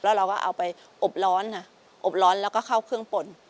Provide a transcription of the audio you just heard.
แล้วเราก็เอาไปอบร้อนค่ะอบร้อนแล้วก็เข้าเครื่องป่น